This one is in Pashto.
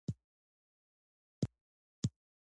په ساده تولید کې پانګه نه زیاتېږي